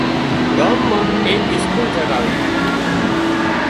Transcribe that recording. ڳام ايڪ اسڪول ٺاهراوي